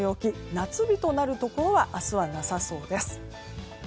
夏日となるところは明日はなさそうです。